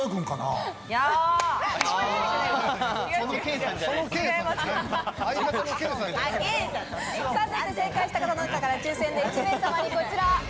さぁ正解した方の中から抽選で１名様にこちら。